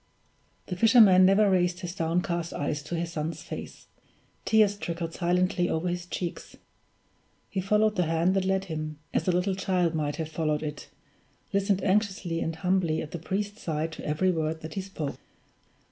The fisherman never raised his downcast eyes to his son's face; tears trickled silently over his cheeks; he followed the hand that led him, as a little child might have followed it, listened anxiously and humbly at the priest's side to every word that he spoke.